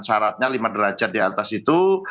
syaratnya lima derajat di atas itu